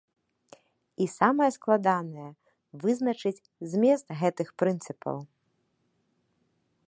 І самае складанае, вызначыць змест гэтых прынцыпаў.